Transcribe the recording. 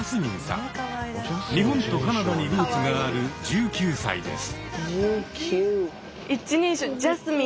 日本とカナダにルーツがある１９歳です。